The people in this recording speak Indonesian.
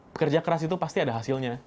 bekerja keras itu pasti ada hasilnya